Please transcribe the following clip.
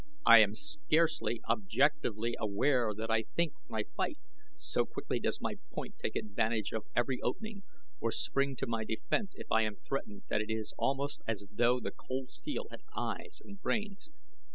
I am scarcely objectively aware that I think when I fight, so quickly does my point take advantage of every opening, or spring to my defense if I am threatened that it is almost as though the cold steel had eyes and brains.